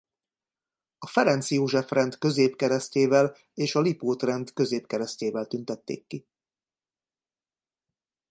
A Ferenc József-rend középkeresztjével és a Lipót-rend középkeresztjével tüntették ki.